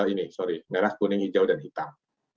ini sorry merah kuning hijau dan hitam